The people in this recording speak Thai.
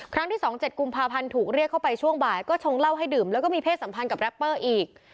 ที่๒๗กุมภาพันธ์ถูกเรียกเข้าไปช่วงบ่ายก็ชงเหล้าให้ดื่มแล้วก็มีเพศสัมพันธ์กับแรปเปอร์อีก